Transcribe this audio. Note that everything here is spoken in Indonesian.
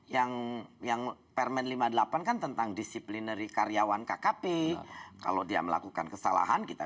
yang yang permen lima puluh delapan kan tentang disiplinari karyawan kkp kalau dia melakukan kesalahan kita